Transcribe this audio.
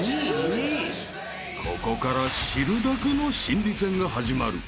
［ここから汁だくの心理戦が始まる］